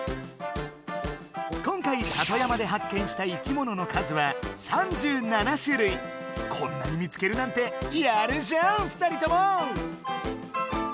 今回里山で発見した生きものの数はこんなに見つけるなんてやるじゃん２人とも！